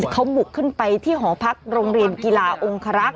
เขาบุกขึ้นไปที่หอพักโรงเรียนกีฬาองคลักษ